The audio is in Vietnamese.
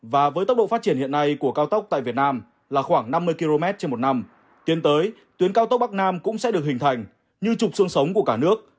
và với tốc độ phát triển hiện nay của cao tốc tại việt nam là khoảng năm mươi km trên một năm tiến tới tuyến cao tốc bắc nam cũng sẽ được hình thành như trục sương sống của cả nước